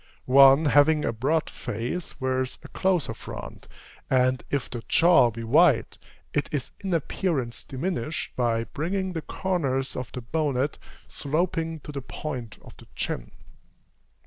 One having a broad face, wears a closer front; and, if the jaw be wide, it is in appearance diminished, by bringing the corners of the bonnet sloping to the point of the chin.